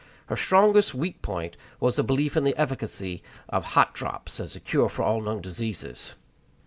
Her strongest weak point was a belief in the efficacy of "hot drops" as a cure for all known diseases.